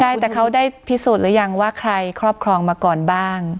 ใช่แต่เขาได้พิสูจน์หรือยังว่าใครครอบครองมาก่อนบ้าง